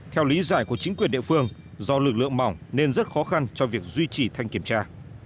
theo lý giải của chính quyền địa phương do lực lượng mỏng nên rất khó khăn cho việc duy trì thanh kiểm tra